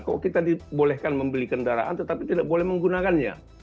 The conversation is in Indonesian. kok kita dibolehkan membeli kendaraan tetapi tidak boleh menggunakannya